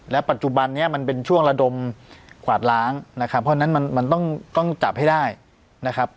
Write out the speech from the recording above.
ปัจจุบันนี้มันเป็นช่วงระดมกวาดล้างนะครับเพราะฉะนั้นมันต้องจับให้ได้นะครับ